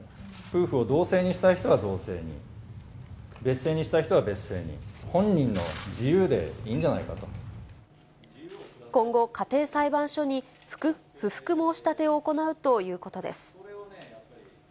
夫婦を同姓にしたい人は同姓に、別姓にしたい人は別姓に、本人の今後、家庭裁判所に不服申し立てを行うということです。